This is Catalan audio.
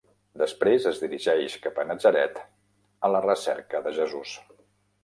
Després es dirigeix cap a Natzaret a la recerca de Jesús.